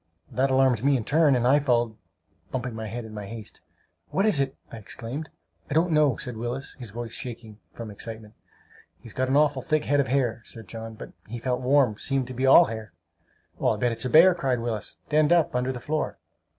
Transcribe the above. That alarmed me in turn, and I followed them, bumping my head in my haste. "What is it?" I exclaimed. "I don't know," said Willis, his voice shaking from excitement. "He's got an awful thick head of hair," said John; "but he felt warm! Seemed to be all hair!" "I'll bet it's a bear!" cried Willis. "Denned up, under the floor!"